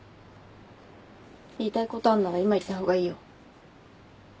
言いたいことあるんなら今言った方がいいよ。